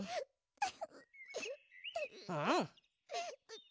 うん。